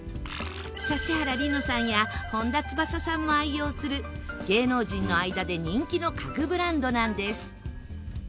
指原莉乃さんや本田翼さんも愛用する芸能人の間で人気の家具ブランドなんです。